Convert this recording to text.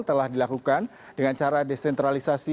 telah dilakukan dengan cara desentralisasi